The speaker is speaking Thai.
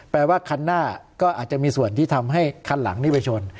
แปลว่าคันหน้าก็อาจจะมีส่วนที่ทำให้คันหลังนี้ไปชน